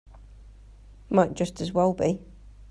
Might just as well be.